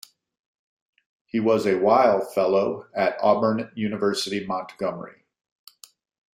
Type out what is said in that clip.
He was a Weil fellow at Auburn University Montgomery.